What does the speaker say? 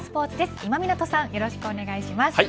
今湊さんよろしくお願いします